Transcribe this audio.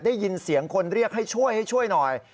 ได้ยินเสียงคนเรียกให้ช่วยให้ช่วยหน่อย